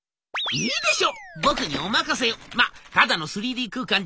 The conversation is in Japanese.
いいでしょ？